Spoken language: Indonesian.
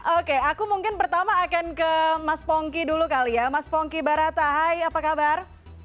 oke aku mungkin pertama akan ke mas pongki dulu kali ya mas pongki barata hai apa kabar